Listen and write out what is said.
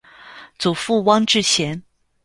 祖父汪志贤。